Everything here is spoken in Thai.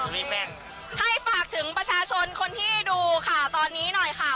นี่แม่นให้ฝากถึงประชาชนคนที่ดูข่าวตอนนี้หน่อยค่ะ